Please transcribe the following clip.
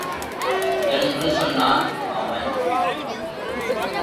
என்று சொன்னான் அவன்.